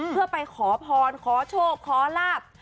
เพื่อไปขอพรขอโชคขอลาบ